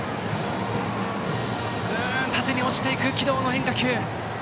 縦に落ちていく軌道の変化球。